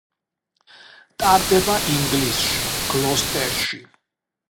ტარდება ინგლისში, გლოსტერში.